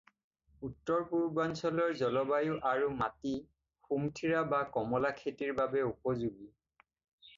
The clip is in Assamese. উত্তৰ-পূৰ্বাঞ্চলৰ জলবায়ু আৰু মাটি সুমথিৰা বা কমলা খেতিৰ বাবে উপযোগী।